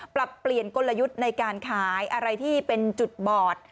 ปรับเปลี่ยนกลยุทธ์ในการขายอะไรที่เป็นจุดบอด